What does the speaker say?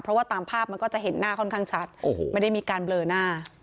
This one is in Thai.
เพราะว่าตามภาพมันก็จะเห็นหน้าค่อนข้างชัดไม่ได้มีการเบลอหน้า